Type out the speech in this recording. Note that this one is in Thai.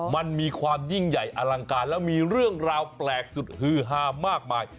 มันมีความยิ่งใหญ่อลังการแล้วมีเรื่องราวแปลกสุดฮือฮามากมาย